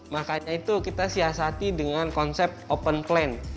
makanya itu kita siasati dengan konsep open plan